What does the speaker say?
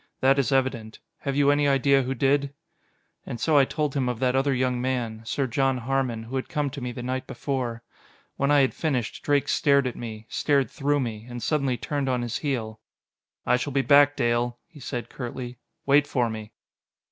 "That is evident. Have you any idea who did?" And so I told him of that other young man. Sir John Harmon, who had come to me the night before. When I had finished. Drake stared at me stared through me and suddenly turned on his heel. "I shall be back, Dale," he said curtly. "Wait for me!"